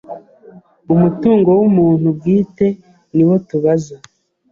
umutungo w’umuntu bwite niwo tubaza